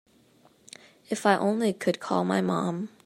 If I only could call my mom.